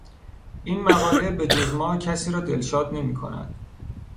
این مقاله به جز ما کسی را دلشاد نمیکند.